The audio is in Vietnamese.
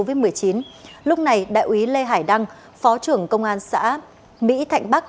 dịch covid một mươi chín lúc này đại úy lê hải đăng phó trưởng công an xã mỹ thạnh bắc